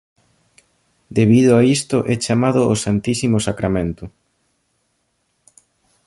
Debido a isto é chamado O Santísimo Sacramento.